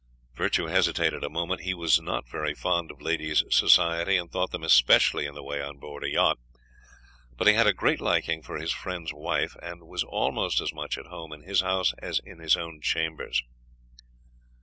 Virtue hesitated a moment. He was not very fond of ladies' society, and thought them especially in the way on board a yacht; but he had a great liking for his friend's wife, and was almost as much at home in his house as in his own chambers.